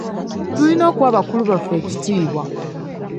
Tulina okuwa bakulu baffe ekitiibwa.